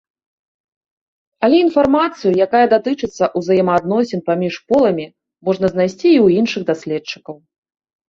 Але інфармацыю, якая датычыцца ўзаемаадносін паміж поламі, можна знайсці і ў іншых даследчыкаў.